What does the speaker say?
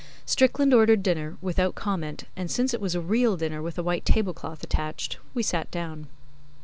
Strickiand ordered dinner, without comment, and since it was a real dinner with a white tablecloth attached, we sat down.